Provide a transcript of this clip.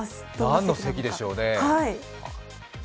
何の席でしょうね。